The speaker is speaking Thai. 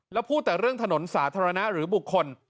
แล้วพูดแต่เรื่องถนนสาธารณะหรือบุคคล